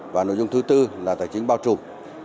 và nội dung thứ tư là tài chính bao trùm